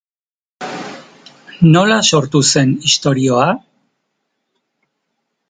Nola sortu zen istorioa?